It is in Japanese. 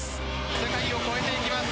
世界を超えていきます